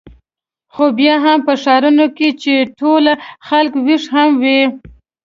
خو بیا هم په ښارونو کې چې ټول خلک وېښ هم وي.